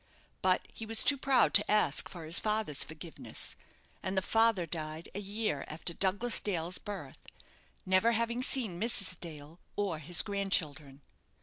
But he was too proud to ask for his father's forgiveness, and the father died a year after Douglas Dale's birth never having seen Mrs. Dale or his grandchildren.